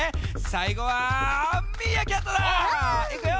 さいごはミーアキャットだ！いくよ！